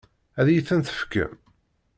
Ad iyi-ten-tefkem?